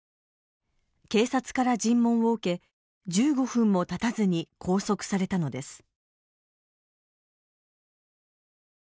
警察から尋問を受け１５分もたたずに拘束されたのです。